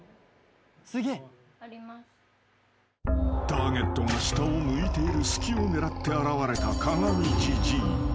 ［ターゲットが下を向いている隙を狙って現れた鏡じじい］